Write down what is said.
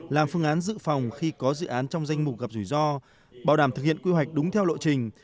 làm phương án dự phòng khi có dự án trong danh mục gặp rủi ro bảo đảm thực hiện quy hoạch đúng theo lộ trình